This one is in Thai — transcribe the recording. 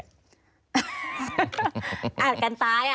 อาดกันตาย